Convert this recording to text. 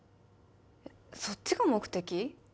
そっちが目的？